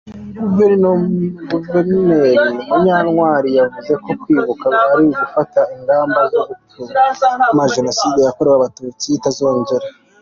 Guverineri Munyantwali yavuze ko kwibuka ari ugufata ingamaba zo gutuma Jenoside yakorewe abatutsi itazongera.